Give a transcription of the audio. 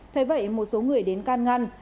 thế vậy một số người đến can ngăn